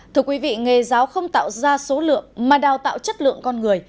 thưa quý vị nghề giáo không tạo ra số lượng mà đào tạo chất lượng con người